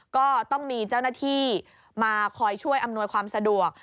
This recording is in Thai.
ก็ต้องมีเจ้าหน้าที่มาคอยช่วยอำนวยความสะดวก